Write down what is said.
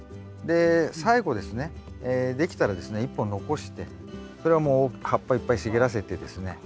で最後ですねできたらですね１本残してそれはもう葉っぱいっぱい茂らせてですね